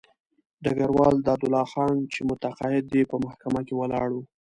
ډګروال دادالله خان چې متقاعد دی په محکمه کې ولاړ وو.